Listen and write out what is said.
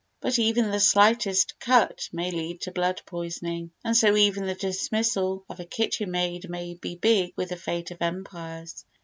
But even the slightest cut may lead to blood poisoning, and so even the dismissal of a kitchen maid may be big with the fate of empires.